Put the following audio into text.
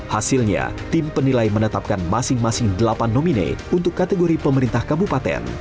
hasilnya tim penilai menetapkan masing masing delapan nomine untuk kategori pemerintah kabupaten